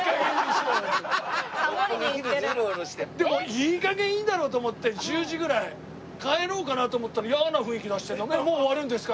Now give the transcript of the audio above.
いい加減いいだろうと思って１０時ぐらい帰ろうかなと思ったら嫌な雰囲気出してもう終わるんですか？